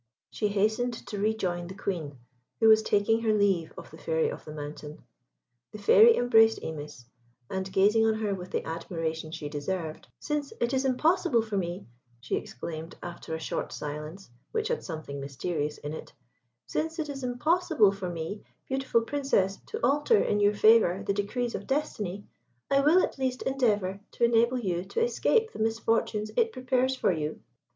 She hastened to rejoin the Queen, who was taking her leave of the Fairy of the Mountain. The Fairy embraced Imis, and gazing on her with the admiration she deserved "Since it is impossible for me," she exclaimed, after a short silence, which had something mysterious in it "since it is impossible for me, beautiful Princess, to alter in your favour the decrees of destiny, I will at least endeavour to enable you to escape the misfortunes it prepares for you."